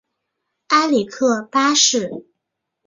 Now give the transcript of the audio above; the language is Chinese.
埃里克八世。